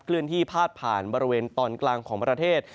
เลื่อนที่พาดผ่านบริเวณตอนกลางของประเทศ